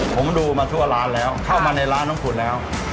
ผมดูมาทั่วร้านแล้วเข้ามาในร้านของคุณแล้ว